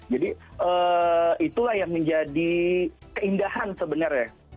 jadi itulah yang menjadi keindahan sebenarnya